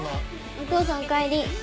お父さんおかえり。